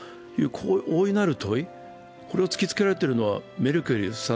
大いなる問いを突きつけているのはメルケルさん